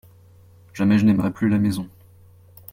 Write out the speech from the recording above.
Jamais je n'aimerai plus la maison.